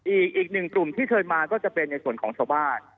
อีกหนึ่งกลุ่มที่เชิญมาก็จะเป็นในส่วนของชาวบ้าน